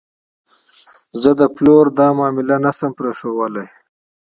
زه د پلور دا معامله نه شم پرېښودلی.